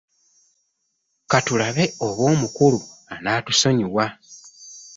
Ka tulabe oba omukulu anaatusonyiwa.